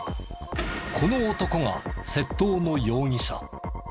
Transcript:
この男が窃盗の容疑者。